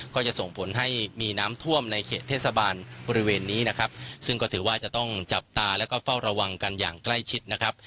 ก็จะส่งผลให้มีน้ำท่วมในเขตเทศบาลบริเวณนี้นะครับซึ่งก็ถือว่าจะต้องจับตาแล้วก็เฝ้าระวังกันอย่างใกล้ชิดนะครับ